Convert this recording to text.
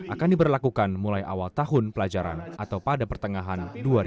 akan diberlakukan mulai awal tahun pelajaran atau pada pertengahan dua ribu dua puluh